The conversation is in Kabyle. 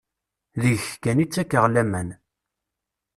Deg-k kan i ttakeɣ laman.